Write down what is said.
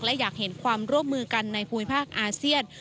และอยากเห็นความร่วมมือกันในภูมิภาคอาเซียน